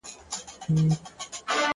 پر څنگه بلا واوښتې جاناناه سرگردانه;